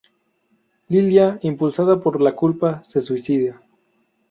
Lilia, impulsada por la culpa, se suicida.